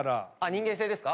人間性ですか？